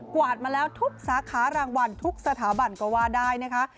วาดมาแล้วทุกสาขารางวัลทุกสถาบันก็ว่าได้นะคะ